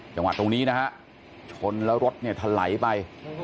จังหวัดตรงนี้นะฮะชนแล้วรถเนี่ยถลายไป